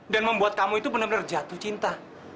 dan membuat kamu itu bener bener jatuh cinta